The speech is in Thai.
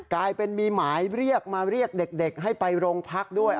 กลายเป็นมีหมายเรียกมาเรียกเด็กให้ไปโรงพักด้วย